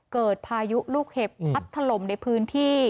พายุลูกเห็บพัดถล่มในพื้นที่